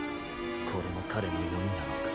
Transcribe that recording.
これもかれのよみなのか。